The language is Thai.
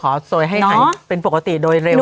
ขอสวยให้ให้เป็นปกติโดยเร็วนะพะนุก